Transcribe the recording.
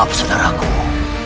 apakah kita harus pergi sekarang